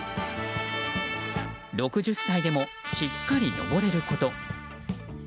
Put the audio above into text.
６０歳でもしっかり登れること。